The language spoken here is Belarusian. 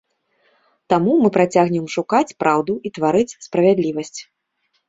Таму мы працягнем шукаць праўду і тварыць справядлівасць.